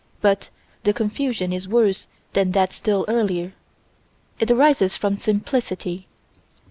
But the confusion is worse than that still earlier. It arises from simplicity.